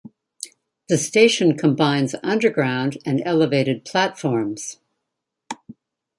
The station combines underground and elevated platforms.